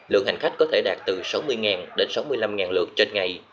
lượng hành khách có thể đạt từ sáu mươi đến sáu mươi năm lượt trên ngày